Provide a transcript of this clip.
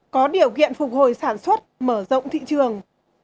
có điều kiện phục hồi sản xuất mở rộng thị trường